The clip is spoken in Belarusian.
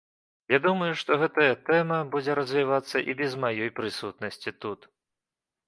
Я думаю, што гэтая тэма будзе развівацца і без маёй прысутнасці тут.